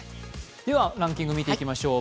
では、ランキングを見ていきましょう。